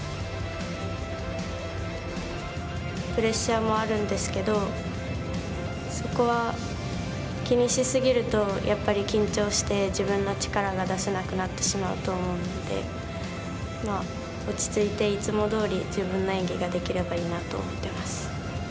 プレッシャーもあるんですけどそこは気にしすぎるとやっぱり緊張して自分の力が出せなくなってしまうと思うので落ち着いて、いつもどおり自分の演技ができればいいなと思ってます。